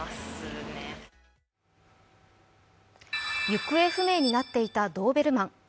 行方不明になっていたドーベルマン。